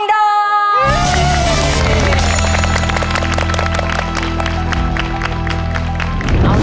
ขอบคุณครับ